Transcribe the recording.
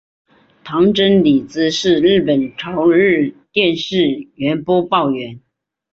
堂真理子是日本朝日电视台播报员。